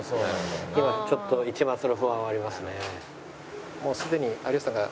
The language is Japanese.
今ちょっと一抹の不安はありますね。